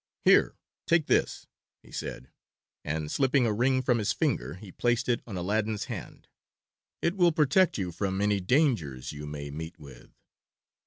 "Here! take this," he said, and slipping a ring from his finger he placed it on Aladdin's hand. "It will protect you from any dangers you may meet with."